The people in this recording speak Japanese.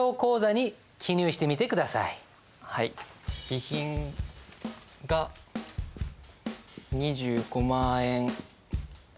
備品が２５万円増加と。